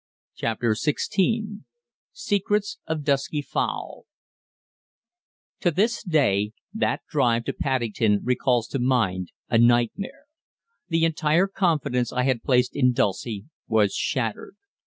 CHAPTER XVI SECRETS OF DUSKY FOWL To this day that drive to Paddington recalls to mind a nightmare. The entire confidence I had placed in Dulcie was shattered.